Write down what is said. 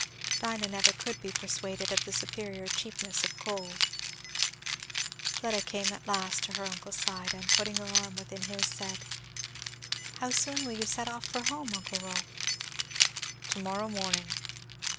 Dinah never could be persuaded of the superior cheapness of coal. Fleda came at last to her uncle's side and putting her arm within his said, "How soon will you set off for home, uncle Rolf?" "To morrow morning."